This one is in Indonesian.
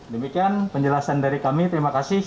demikian penjelasan dari kami terima kasih